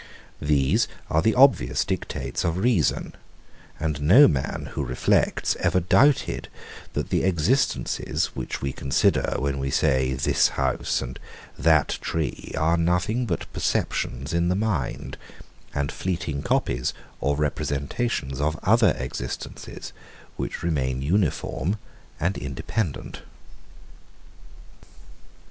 These are the obvious dictates of reason; and no man, who reflects, ever doubted, that the existences, which we consider, when we say, this house and that tree, are nothing but perceptions in the mind, and fleeting copies or representations of other existences, which remain uniform and independent.